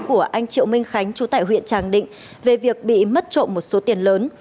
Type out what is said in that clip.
của anh triệu minh khánh chú tại huyện tràng định về việc bị mất trộm một số tiền lớn